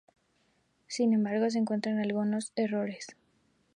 Sin embargo, se encuentran algunos errores.